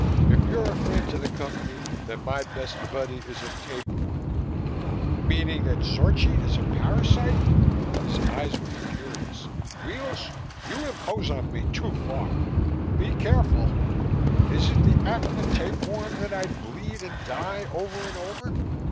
"If you're a friend to the Company, then my best buddy is a tapeworm." "Meaning that Zorchi is a parasite?" His eyes were furious. "Weels, you impose on me too far! Be careful! Is it the act of a tapeworm that I bleed and die, over and over?